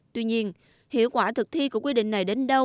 tuy nhiên hiệu quả thực thi của quy định này đến đâu